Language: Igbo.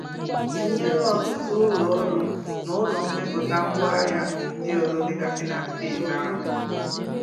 tinyere ọtụtụ ụlọọrụ na ụlọ mmepụta ngwaahịa ndị ọzọ dịgasị na steeti ahụ.